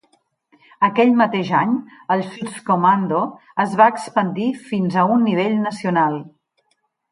Aquell mateix any, el "Schutzkommando" es va expandir fins a un nivell nacional.